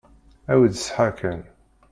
Awi-d ṣṣeḥḥa kan.